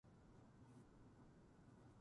大晦日は、年越しそばを食べます。